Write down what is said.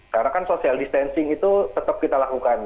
karena kan social distancing itu tetap kita lakukan